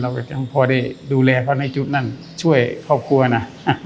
ก็ยังพอได้ดูแลเขาในจุดนั้นช่วยครอบครัวนะ